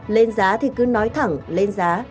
lên giá thì cứ nói thẳng lên giá